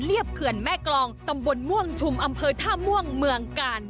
เขื่อนแม่กรองตำบลม่วงชุมอำเภอท่าม่วงเมืองกาล